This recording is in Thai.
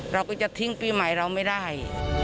เราก็จะทิ้งปีใหม่เราไม่ได้